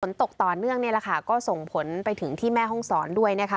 ฝนตกต่อเนื่องนี่แหละค่ะก็ส่งผลไปถึงที่แม่ห้องศรด้วยนะคะ